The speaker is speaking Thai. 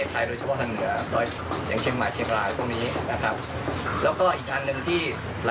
สายน้ำความชุ่มฉ่ำความเป็นภึกษาเป็นพืช